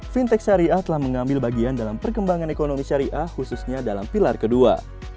fintech syariah telah mengambil bagian dalam perkembangan ekonomi syariah khususnya dalam pilar kedua